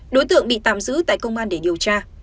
đối tượng bị tạm giữ tại công an để điều tra